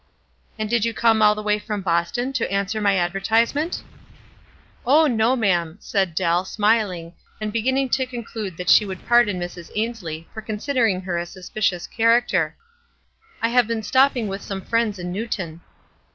"And did you come all the way from Boston to answer my advertisement?" "Oh, no, ma'am," said Dell, smiling, and be ginning to conclude that she would pardon Mrs. Ainslie for considering her a suspicious charac ter. " I have been stopping with some friends in Newton."